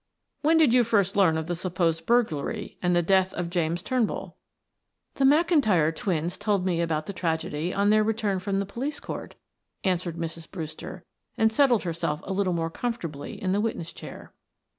"When did you first learn of the supposed burglary and the death of James Turnbull?" "The McIntyre twins told me about the tragedy on their return from the police court," answered Mrs. Brewster, and settled herself a little more comfortably in the witness chair.